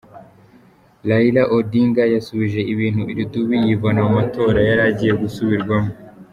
Raila Odinga yasubije ibintu irudubi yivana mu matora yari agiye gusubirwamo